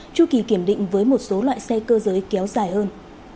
chu kỳ kiểm định với một số loại xe cơ giới kéo dài hơn